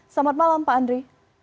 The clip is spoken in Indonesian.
selamat malam pak andri